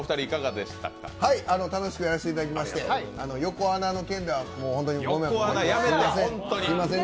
楽しくやらせていただきまして、横穴の件では本当にすみません。